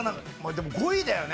でも５位だよね？